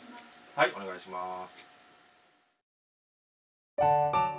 はいおねがいします。